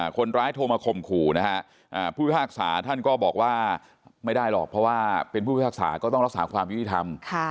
คนร้ายโทรมาข่มขู่นะฮะผู้พิพากษาท่านก็บอกว่าไม่ได้หรอกเพราะว่าเป็นผู้พิพากษาก็ต้องรักษาความยุติธรรม